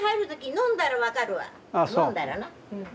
飲んだらなうん。